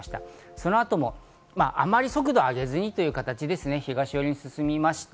そのあともあまり速度を上げずにという形で、東寄りに進みまして、